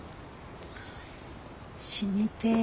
死にてえ。